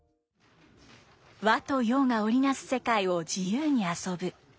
和と洋が織り成す世界を自由に遊ぶ。